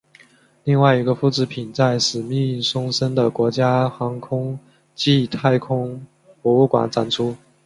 另外一个复制品在史密松森的国家航空暨太空博物馆展出。